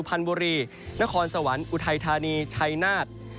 พันธบุรีนครสวรรค์อุทัยธานีชัยนาฏ